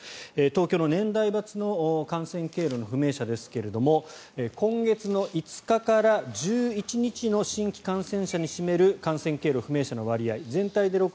東京の年代別の感染経路の不明者ですが今月５日から１１日の新規感染者に占める感染経路不明者の割合全体で６７．６％と